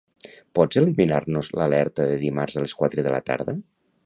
Pots eliminar-nos l'alerta de dimarts a les quatre de la tarda?